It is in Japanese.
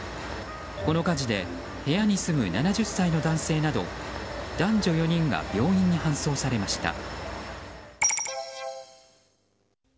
この火事で部屋に住む７０歳の男性など男女４人が病院に搬送されました。